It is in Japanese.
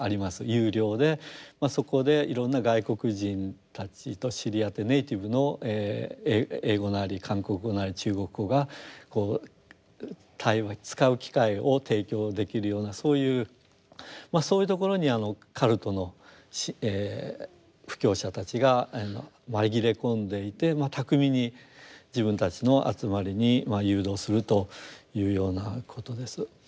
有料でそこでいろんな外国人たちと知り合ってネイティブの英語なり韓国語なり中国語がこう対話使う機会を提供できるようなそういうそういうところにカルトの布教者たちが紛れ込んでいて巧みに自分たちの集まりに誘導するというようなことです。